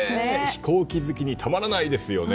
飛行機好きにたまらないですよね。